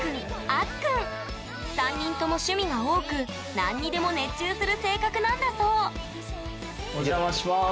３人とも趣味が多く何にでも熱中する性格なんだそうお邪魔します。